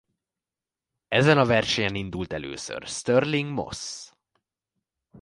Ezen a versenyen indult először Stirling Moss.